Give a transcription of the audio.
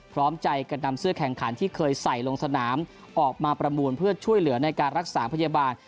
พร้อมใจกันนำเสื้อแข่งขันที่เคยใส่ลงสนามออกมาประมูลเพื่อช่วยเหลือในการรักษาพยาบาล